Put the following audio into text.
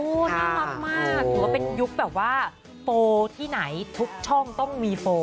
น่ารักมากถือว่าเป็นยุคแบบว่าโฟลที่ไหนทุกช่องต้องมีโฟล